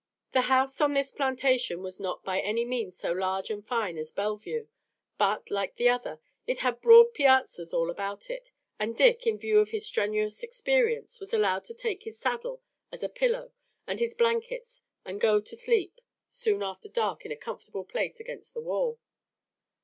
The house on this plantation was not by any means so large and fine as Bellevue, but, like the other, it had broad piazzas all about it, and Dick, in view of his strenuous experience, was allowed to take his saddle as a pillow and his blankets and go to sleep soon after dark in a comfortable place against the wall.